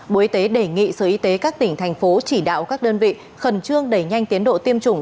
bộ y tế đề nghị sở y tế các tỉnh thành phố chỉ đạo các đơn vị khẩn trương đẩy nhanh tiến độ tiêm chủng